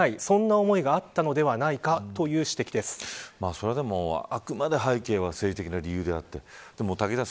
それでも、あくまで背景は政治的な理由であってでも武井さん